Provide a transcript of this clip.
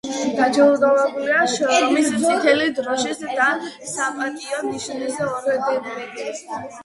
დაჯილდოებულია შრომის წითელი დროშის და „საპატიო ნიშნის“ ორდენებით.